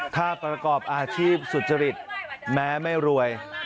ถ้าประกอบอาชีพสุจริตแม้ไม่รวย